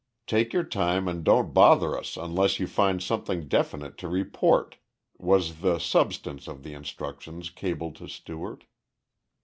"Take your time and don't bother us unless you find something definite to report," was the substance of the instructions cabled to Stewart.